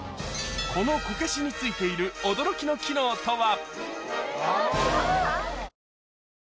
このこけしに付いている驚きの機能とは？